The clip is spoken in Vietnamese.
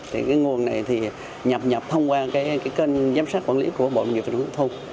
thì cái nguồn này thì nhập nhập thông qua cái kênh giám sát quản lý của bộ nông nghiệp và thu